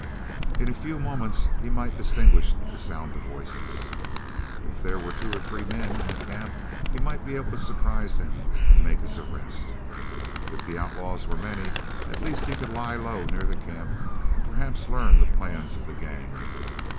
In a few moments he might distinguish the sound of voices. If there were two or three men in the camp he might be able to surprise them and make his arrest. If the outlaws were many, at least he could lie low near the camp and perhaps learn the plans of the gang.